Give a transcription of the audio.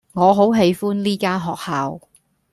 我好喜歡呢間學校